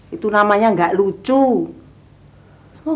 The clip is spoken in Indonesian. itu namanya gak lucu